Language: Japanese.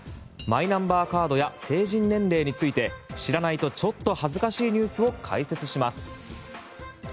マイナンバーカードや成人年齢について知らないとちょっと恥ずかしいニュースを解説します。